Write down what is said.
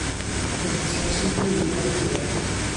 Beinties i lun o wyneb.